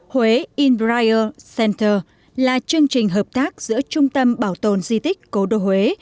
huế inspire center là chương trình hợp tác giữa trung tâm bảo tồn di tích cổ đô huế